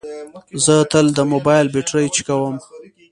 زه تل د موبایل بیټرۍ چیکوم.